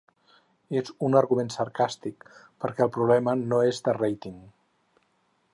És un argument sarcàstic perquè el problema no és de ràting.